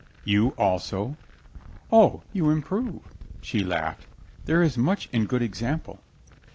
"You also?" "O, you improve," she laughed. "There is much in good example."